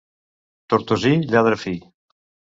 Tortosí, lladre fi.